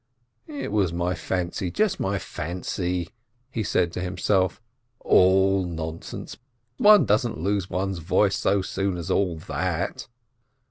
"It was my fancy — just my fancy !" he said to himself. "All nonsense ! One doesn't lose one's voice so soon as all that